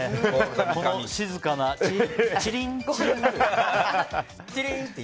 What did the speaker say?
この静かな、チリンって。